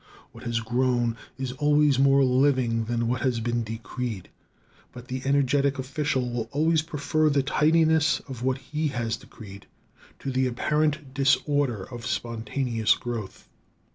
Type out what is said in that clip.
What has grown is always more living than what has been decreed; but the energetic official will always prefer the tidiness of what he has decreed to the apparent disorder of spontaneous growth.